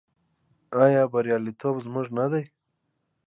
آیا بریالیتوب زموږ نه دی؟